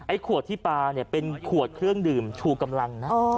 ขวดที่ปลาเนี่ยเป็นขวดเครื่องดื่มชูกำลังนะ